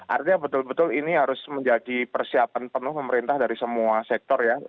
artinya betul betul ini harus menjadi persiapan penuh pemerintah dari semua sektor ya